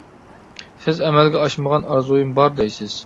سىز ئەمەلگە ئاشمىغان ئارزۇيۇم بار دەيسىز.